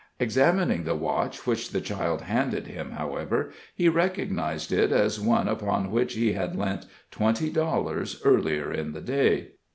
] Examining the watch which the child handed him, however, he recognized it as one upon which he had lent twenty dollars earlier in the day.